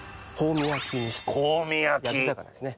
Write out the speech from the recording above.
焼き魚ですね。